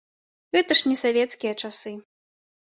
Гэта ж не савецкія часы.